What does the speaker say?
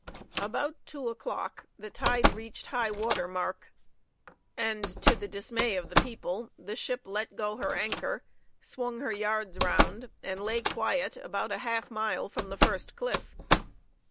About two o'clock the tide reached high water mark, and, to the dismay of the people, the ship let go her anchor, swung her yards round, and lay quiet about half a mile from the first cliff.